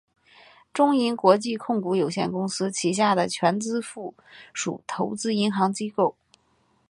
中银国际控股有限公司旗下的全资附属投资银行机构。